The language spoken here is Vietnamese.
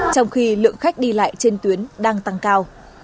trong khi lượng khách đi lại trên tuyến đang tăng cao